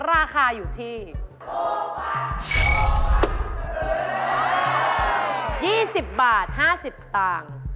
ราคาอยู่ที่โทษภัณฑ์โทษภัณฑ์ยี่สิบบาทห้าสิบสตางค์